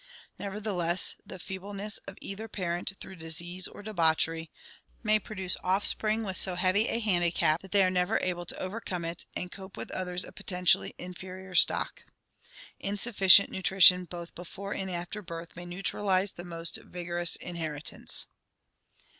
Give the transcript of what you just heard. Nevertheless, the feebleness of either parent through disease or debauchery may produce offspring with so heavy a handicap that they are never able to overcome it and cope with others of potentially inferior stock. Insufficient nutri tion both before and after birth may neutralize the most vigorous inheritance.